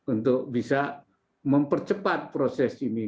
untuk bisa mempercepat proses ini